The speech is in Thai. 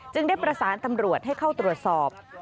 ได้ประสานตำรวจให้เข้าตรวจสอบ